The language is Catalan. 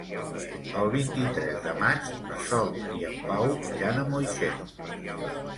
El vint-i-tres de maig na Sol i en Pau iran a Moixent.